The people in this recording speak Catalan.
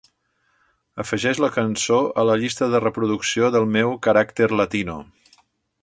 Afegeix la cançó a la llista de reproducció del meu carácter latino.